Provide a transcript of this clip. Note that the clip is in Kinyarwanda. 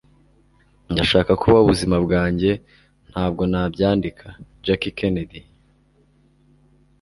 ndashaka kubaho ubuzima bwanjye, ntabwo nabyandika. - jackie kennedy